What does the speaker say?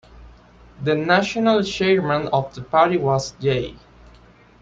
The national chairman of the party was J.